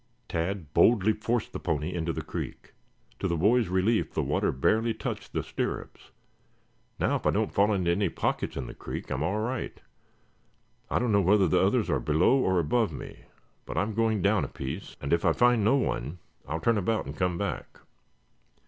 Tad boldly forced the pony into the creek. To the boy's relief the water barely touched the stirrups. "Now if I don't fall into any pockets in the creek, I'm all right. I don't know whether the others are below or above me, but I'm going down a piece and if I find no one, I'll turn about and come back."